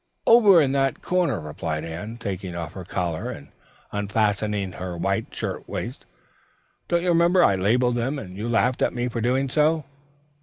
"Over in that corner," replied Anne, taking off her collar and unfastening her white shirt waist. "Don't you remember, I labeled them and you laughed at me for doing so?"